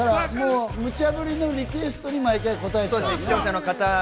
むちゃ振りのリクエストに毎回答えてたんだよね。